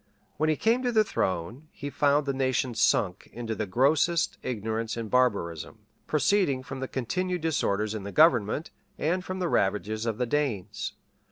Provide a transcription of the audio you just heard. When he came to the throne, he found the nation sunk into the grossest ignorance and barbarism, proceeding from the continued disorders in the government, and from the ravages of the Danes.